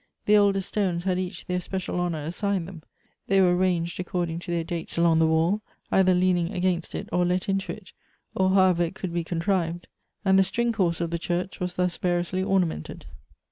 The oldest stones had each their special honor assigned them. They were ranged according to their dates along the wall, either leaning against it, or let into it, or however it could be contrived ; and the string course of the church was thus variously ornamented.